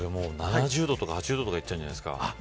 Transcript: ７０度とか８０度とかいっちゃうんじゃないですか。